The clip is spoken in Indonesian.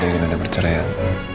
dia tidak ingin anda perceraikan